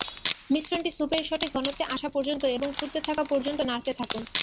মিশ্রণটি স্যুপের সঠিক ঘনত্বে আসা পর্যন্ত এবং ফুটতে থাকা পর্যন্ত নাড়তে থাকুন।